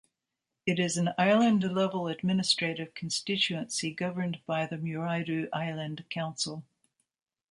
It is an island-level administrative constituency governed by the Muraidhoo Island Council.